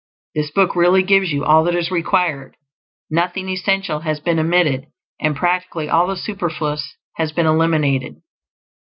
This book really gives you all that is required; nothing essential has been omitted, and practically all the superfluous has been eliminated.